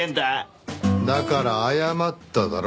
だから謝っただろ。